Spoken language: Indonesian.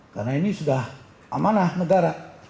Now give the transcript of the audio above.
karena ini sudah amanah negara